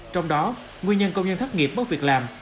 trong đó nguyên nhân công nhân thất nghiệp mất việc làm